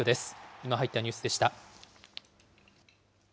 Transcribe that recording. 今入ったニュースでした。